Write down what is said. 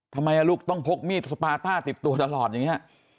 ทำไมลูกต้องพกมีดสปาต้าติดตัวตลอดอย่างนี้